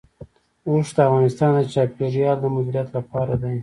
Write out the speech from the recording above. اوښ د افغانستان د چاپیریال د مدیریت لپاره دی.